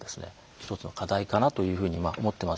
一つの課題かなというふうに思ってます。